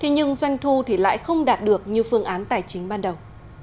nhưng doanh thu lại không đạt được như phương án tài chính ban đầu